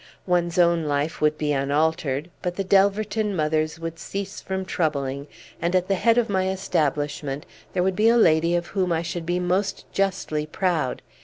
One's own life would be unaltered, but the Delverton mothers would cease from troubling, and at the head of my establishment there would be a lady of whom I should be most justly proud.